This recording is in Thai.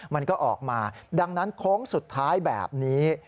มันก็ออกมาดังนั้นโค้งสุดท้ายแบบนี้